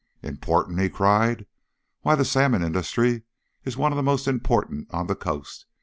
"Important!" he cried. "Why, the salmon industry is one of the most important on the Coast.